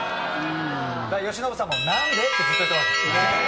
由伸さんも、なんで？ってずっと言ってました。